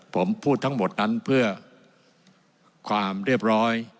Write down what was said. ผมพูดทั้งหมดนั้นเพื่อความเรียบร้อย